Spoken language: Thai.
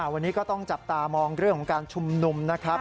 วันนี้ก็ต้องจับตามองเรื่องของการชุมนุมนะครับ